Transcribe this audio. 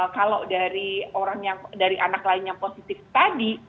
kalau dari anak lain yang positif tadi